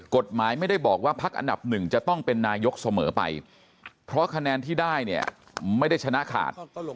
กฎหมายไม่ได้บอกว่าพักอันดับหนึ่งจะต้องเป็นนายกเสมอไปเพราะคะแนนที่ได้เนี่ยไม่ได้ชนะขาด